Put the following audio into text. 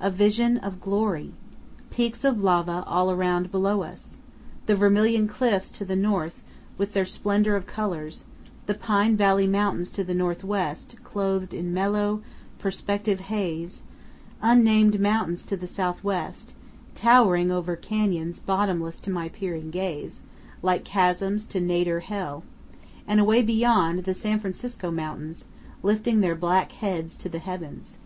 A vision of glory! Peaks of lava all around below us. The Vermilion Cliffs to the north, with their splendor of colors; the Pine Valley Mountains to the northwest, clothed in mellow, perspective haze; unnamed mountains to the southwest, towering over canyons bottomless to my peering gaze, like chasms to nadir hell; and away beyond, the San Francisco Mountains, lifting their black heads into the heavens.